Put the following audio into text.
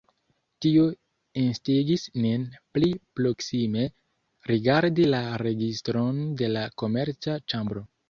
Tio instigis nin pli proksime rigardi la registron de la Komerca ĉambro.